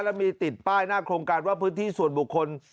แล้วมีติดป้ายหน้าโครงการว่าพื้นที่ส่วนบุคคล